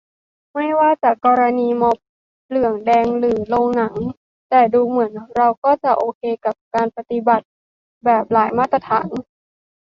ไม่ว่าจะกรณีม็อบเหลืองแดงหรือโรงหนัง แต่ดูเหมือนเราก็จะโอเคกับการปฏิบัติแบบหลายมาตรฐาน